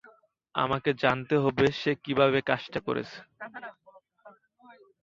আমাকে জানতে হবে সে কীভাবে কাজটা করেছে।